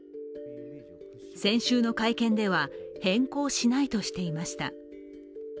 先週の会見では変更しないとしていました。